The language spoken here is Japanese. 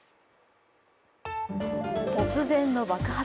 突然の爆発。